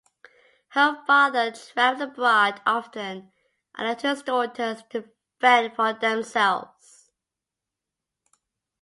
Her father traveled abroad often and left his daughters to fend for themselves.